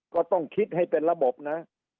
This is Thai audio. ก็ต้องคิดให้เป็นระบบนะ